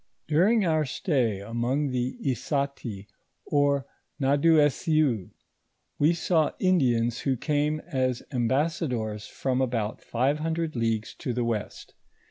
During onr stay among tho Issati or T^adouossion, wo saw Indians who came as emlmsnadors from about five hundred leagues to tho west.